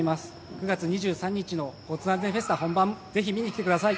９月２３日の交通安全フェスタ本番ぜひ見に来てください。